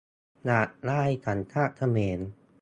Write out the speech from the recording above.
อยากได้สัญชาติเขมร ?